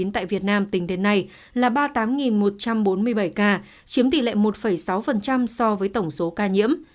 tại việt nam tính đến nay là ba mươi tám một trăm bốn mươi bảy ca chiếm tỷ lệ một sáu so với tổng số ca nhiễm